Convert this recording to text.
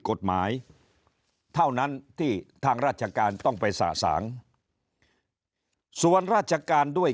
กฎหมายเท่านั้นที่ทางราชการต้องไปสะสางส่วนราชการด้วย